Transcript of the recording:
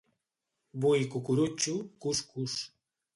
Vull cucurutxo, cus cus.